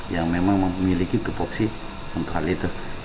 yang memang memiliki tupoksi untuk hal itu